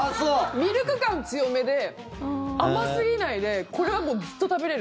ミルク感強めで甘すぎないでこれはずっと食べれる。